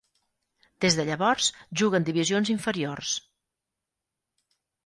Des de llavors, juga en divisions inferiors.